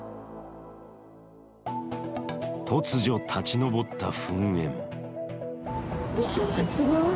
突如立ち上った噴煙。